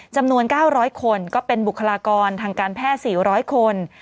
จำนวน๙๐๐คนก็เป็นบุคลากรทางการแพทย์๔๐๐คน